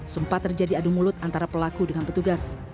sempat terjadi adu mulut antara pelaku dengan petugas